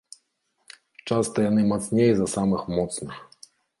Часта яны мацней за самых моцных.